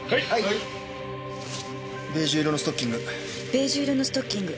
ベージュ色のストッキング。